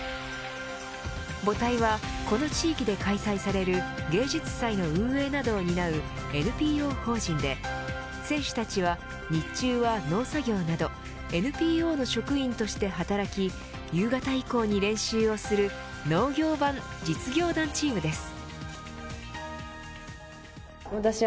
母体はこの地域で開催される芸術祭の運営などを担うＮＰＯ法人で選手たちは、日中は農作業などＮＰＯの職員として働き夕方以降に練習をする農業版実業団チームです。